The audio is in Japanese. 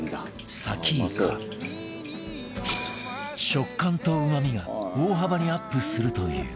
食感とうまみが大幅にアップするという